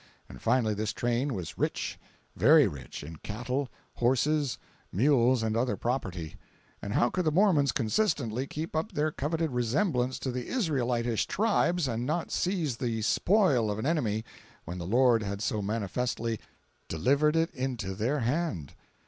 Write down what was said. And finally, this train was rich, very rich in cattle, horses, mules and other property—and how could the Mormons consistently keep up their coveted resemblance to the Israelitish tribes and not seize the "spoil" of an enemy when the Lord had so manifestly "delivered it into their hand?"